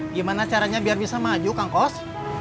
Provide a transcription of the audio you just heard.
gimana caranya biar bisa maju kang kos